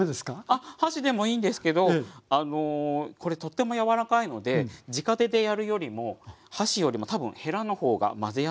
あっ箸でもいいんですけどこれとっても柔らかいのでじか手でやるよりも箸よりも多分へらの方が混ぜやすいと思います。